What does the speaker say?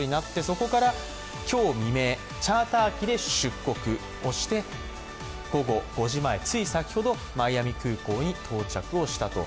そこから今日未明、チャーター機で出国をして午後５時前、つい先ほど、マイアミ空港に到着したと。